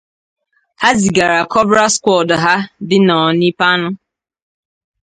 ha zigara 'Cobra Squad' ha dị n'Onipanu